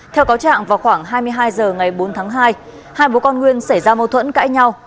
theo cáo trạng vào khoảng hai mươi hai h ngày bốn tháng hai hai bố con nguyên xảy ra mâu thuẫn cãi nhau